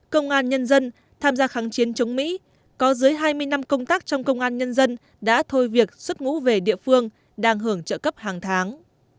công an nhân dân tham gia kháng chiến chống mỹ có dưới hai mươi năm công tác trong công an nhân dân đã thôi việc xuất ngũ về địa phương đang hưởng trợ cấp hàng tháng